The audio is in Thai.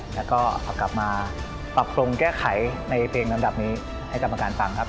แล้วก็เอากลับมาปรับปรุงแก้ไขในเพลงลำดับนี้ให้กรรมการฟังครับ